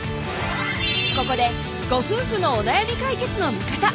ここでご夫婦のお悩み解決の味方・